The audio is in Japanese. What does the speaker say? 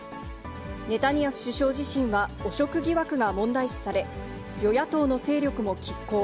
ネタニヤフ首相自身は汚職疑惑が問題視され、与野党の勢力もきっ抗。